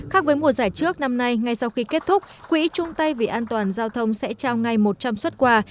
khác với mùa giải trước năm nay ngay sau khi kết thúc quỹ trung tây vì an toàn giao thông sẽ trao ngay một trăm linh xuất quà